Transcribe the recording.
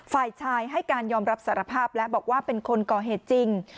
ฝ่ายชายให้การยอมรับสารภาพและบอกว่าเป็นคนก่อเหตุจริง